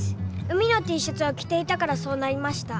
海のＴシャツをきていたからそうなりました。